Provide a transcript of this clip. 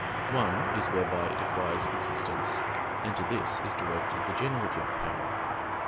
One is whereby it acquires existence, and to this is directed the generative power.